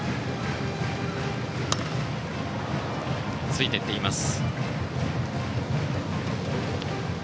ついていっています。